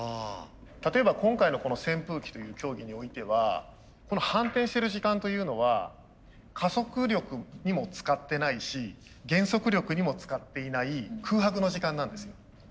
例えば今回のこの扇風機という競技においてはこの反転してる時間というのは加速力にも使ってないし減速力にも使っていない空白の時間なんですよ。